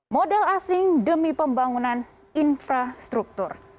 modal asing demi pembangunan infrastruktur